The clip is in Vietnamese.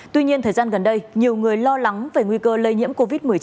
tuy nhiên thời gian gần đây nhiều người lo lắng về nguy cơ lây nhiễm covid một mươi chín